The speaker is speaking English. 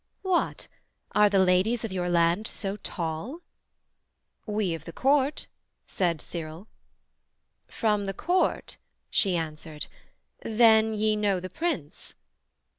What! are the ladies of your land so tall?' 'We of the court' said Cyril. 'From the court' She answered, 'then ye know the Prince?'